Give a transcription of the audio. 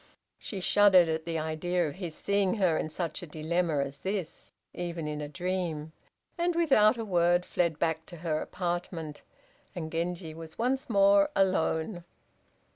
She shuddered at the idea of his seeing her in such a dilemma as this, even in a dream, and without a word fled back to her apartment, and Genji was once more alone.